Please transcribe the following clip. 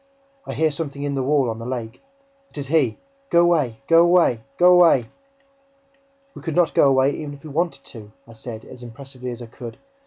... I hear something in the wall on the lake! ... It is he! ... Go away! Go away! Go away!" "We could not go away, even if we wanted to," I said, as impressively as I could.